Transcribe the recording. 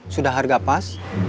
sudah harga pas